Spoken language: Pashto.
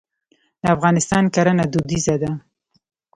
د افغانستان کرنه دودیزه ده.